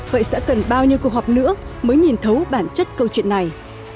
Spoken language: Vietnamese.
vậy sẽ cần bao nhiêu cuộc họp nữa mới nhìn thấu bản chất câu chuyện này